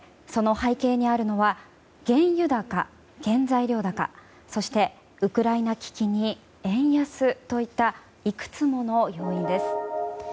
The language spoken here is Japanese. その背景にあるのは原油高、原材料高ウクライナ危機に円安といったいくつもの要因です。